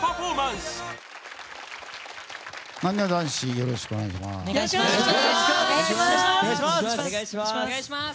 よろしくお願いします。